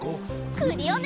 クリオネ！